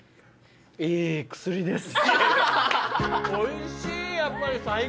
いい薬です。